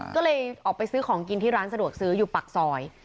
ก็เลยออกไปซื้อของกินที่ร้านสะดวกซื้ออยู่ปากซอย